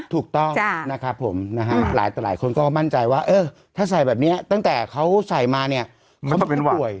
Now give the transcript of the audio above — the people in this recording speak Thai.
ถูกต้องนะครับผมหลายคนก็มั่นใจว่าถ้าใส่แบบนี้ตั้งแต่เขาใส่มาเนี่ยเขาไม่ควรเป็นป่วย